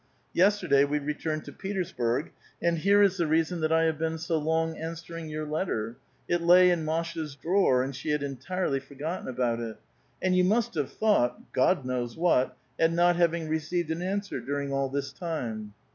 Yesterday we returned to Peters burg, and here is the reason that I have been so long answering your letter: it lay in Masha's drawer, and she had entirely forgotten about it. And you must have thought — God knows what — at not having received an answer dur ing all this time.